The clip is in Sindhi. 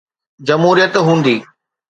جمهوريت هوندي.